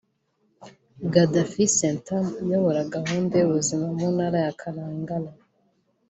Gadafi Sentamu uyobora gahunda y’ubuzima mu Ntara ya Kalangala